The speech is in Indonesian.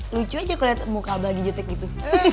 lucu aja kalau lihat muka abah gijotek gitu